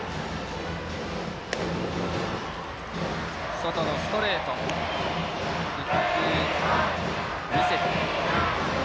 外のストレートを１球見せて。